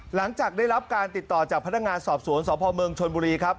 หลังจากได้รับการติดต่อจากพนักงานสอบสวนสพเมืองชนบุรีครับ